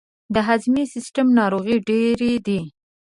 د هضمي سیستم ناروغۍ ډیرې دي.